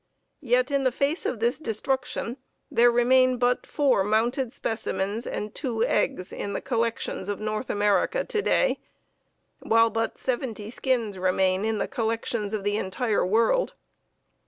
Yet in the face of this destruction there remain but four mounted specimens and two eggs in the collections of North America to day, while but seventy skins remain in the collections of the entire world.